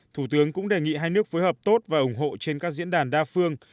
thủ tướng cũng đề nghị hai nước phối hợp tốt và ủng hộ trên các diễn đàn đa phương